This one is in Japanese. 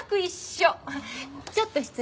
ちょっと失礼。